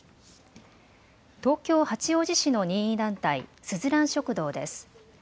東京八王子市の任意団体、すずらん食堂です。